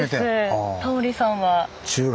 タモリさんは？